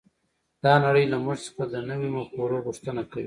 دا نړۍ له موږ څخه د نويو مفکورو غوښتنه کوي.